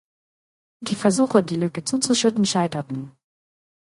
Die Versuche, die Lücke zuzuschütten, scheiterten.